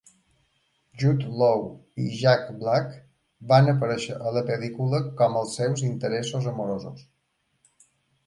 Jude Law i Jack Black van aparèixer a la pel·lícula com els seus interessos amorosos.